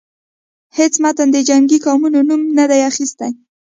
هیڅ متن د جنګی قومونو نوم نه دی اخیستی.